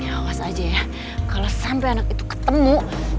ya awas aja ya kalau sampai anak itu ketemu